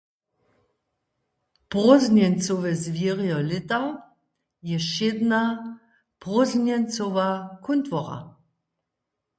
Prózdnjeńcowe zwěrjo lěta je wšědna prózdnjeńcowa kuntwora.